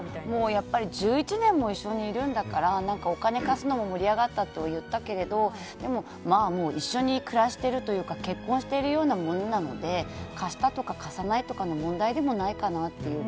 やっぱり１１年も一緒にいるんだからお金貸すのも盛り上がったとは言ったけれどももう一緒に暮らしてるというか結婚しているようなものなので貸したとか、貸さないとかの問題でもないかなという。